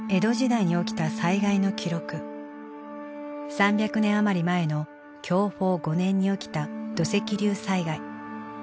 ３００年余り前の享保５年に起きた土石流災害。